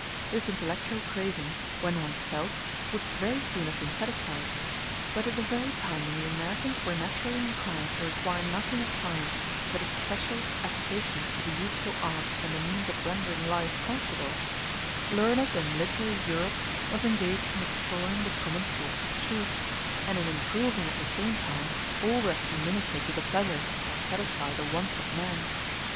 This intellectual craving, when once felt, would very soon have been satisfied. But at the very time when the Americans were naturally inclined to require nothing of science but its special applications to the useful arts and the means of rendering life comfortable, learned and literary Europe was engaged in exploring the common sources of truth, and in improving at the same time all that can minister to the pleasures or satisfy the wants of man.